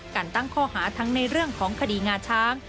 การตั้งข้อหาทั้งในเรื่องของคดีงาช้าง